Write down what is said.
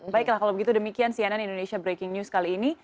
baiklah kalau begitu demikian cnn indonesia breaking news kali ini